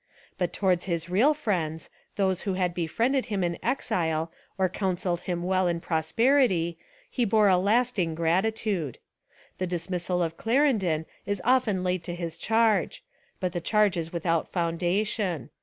But towards his real friends — those who had befriended him in exile or coun selled him well in prosperity — he bore a last ing gratitude. The dismissal of Clarendon is often laid to his charge, but the charge is with out foundation.